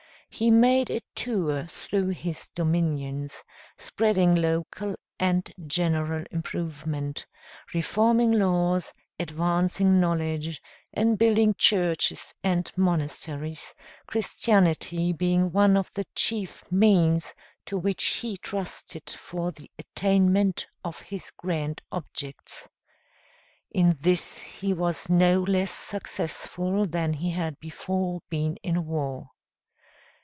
He made a tour through his dominions, spreading local and general improvement, reforming laws, advancing knowledge, and building churches and monasteries, Christianity being one of the chief means to which he trusted for the attainment of his grand objects. In this he was no less successful than he had before been in war.